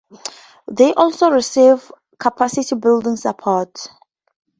They also receive capacity building support.